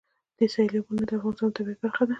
سیلابونه د افغانستان د طبیعت برخه ده.